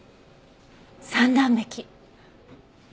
三段壁。